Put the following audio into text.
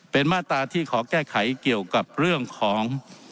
เป็นมาตราที่ขอแก้ไขเกี่ยวกับเรื่องของ